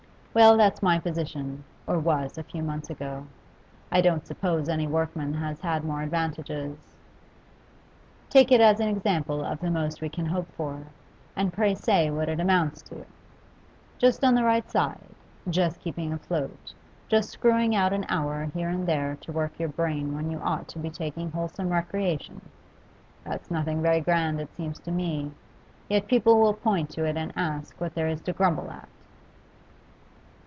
Well, that's my position, or was a few months ago. I don't suppose any workman has had more advantages. Take it as an example of the most we can hope for, and pray say what it amounts to! Just on the right side, just keeping afloat, just screwing out an hour here and there to work your brain when you ought to be taking wholesome recreation! That's nothing very grand, it seems to me. Yet people will point to it and ask what there is to grumble at!